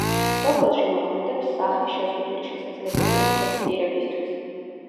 სოფელში მოქმედებს სახლი შეზღუდული შესაძლებლობის მქონე პირებისთვის.